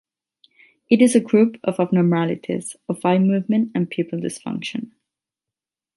It is a group of abnormalities of eye movement and pupil dysfunction.